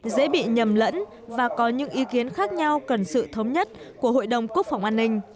dễ bị nhầm lẫn và có những ý kiến khác nhau cần sự thống nhất của hội đồng quốc phòng an ninh